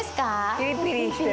ピリピリしてる。